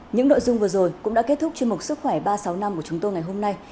những nội dung vừa rồi cũng đã kết thúc chương mục sức khỏe ba trăm sáu mươi năm của chúng tôi ngày hôm nay